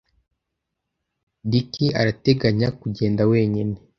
Dick arateganya kugenda wenyine.